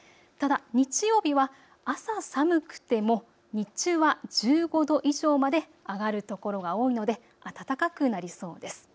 ただ日曜日は朝、寒くても日中は１５度以上まで上がる所が多いので暖かくなりそうです。